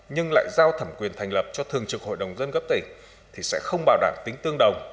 nhưng lại giao thẩm quyền thành lập cho thường trực hội đồng dân cấp tỉnh thì sẽ không bảo đảm tính tương đồng